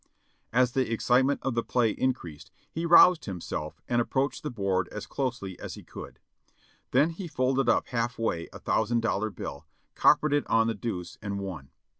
As the excitement of the play increased he roused himself and approached the board as closely as he could ; then he folded up half way a thousand dollar bill, coppered it on the deuce and won.